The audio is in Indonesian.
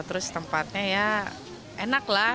terus tempatnya ya enak lah